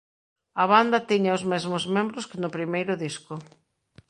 A banda tiña os mesmos membros que no primeiro disco.